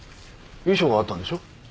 遺書があったんでしょ？